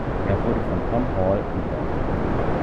Er wurde von Tom Hall entworfen.